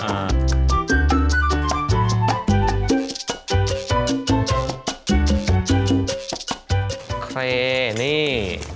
โอเคนี่